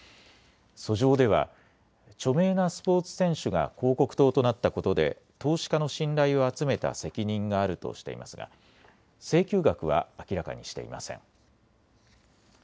訴状では著名なスポーツ選手が広告塔となったことで投資家の信頼を集めた責任があるとしていますが請求額は明らかにしていません。